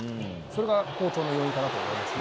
それが好調の要因かなと思います